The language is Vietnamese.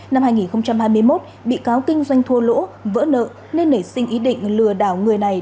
năm hai nghìn hai mươi một bị cáo kinh doanh thua lỗ vỡ nợ nên nảy sinh ý định lừa đảo người này